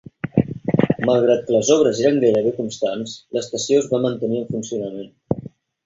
Malgrat que les obres eren gairebé constants, l'estació es va mantenir en funcionament.